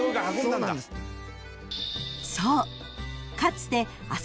［そう］